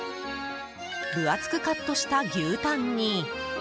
分厚くカットした牛タンに。